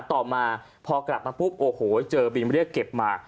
ต่อมาพอกลับมาปุ๊บโอ้โหเจอบินเรียกเก็บมา